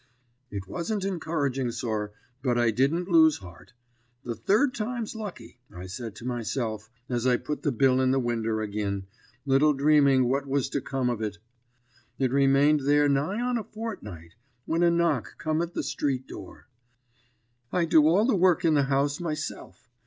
"It wasn't encouraging, sir, but I didn't lose heart. 'The third time's lucky,' I said to myself, as I put the bill in the winder agin, little dreaming what was to come of it. It remained there nigh on a fortnight, when a knock come at the street door. "I do all the work in the house myself.